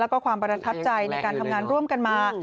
แล้วก็ความประทับใจในการทำงานร่วมกันมา